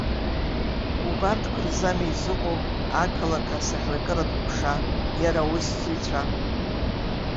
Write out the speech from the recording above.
Убарҭқәа рзами изыҟоу ақалақь асахьаркыратә ҟәша, иара аусзуҩцәа.